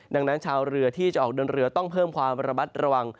ดังนั้นชาวเรือที่จะออกเดินเรือต้องเพิ่มความระมัดระวัง